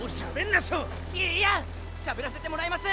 いいやしゃべらせてもらいます！